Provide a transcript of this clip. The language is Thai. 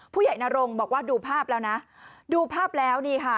ผู้ใหญ่นรงศ์บอกว่าดูภาพแล้วนะดูภาพแล้วนี่ค่ะ